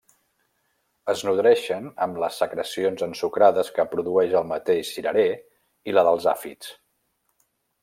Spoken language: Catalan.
Es nodreixen amb les secrecions ensucrades que produeix el mateix cirerer i la dels àfids.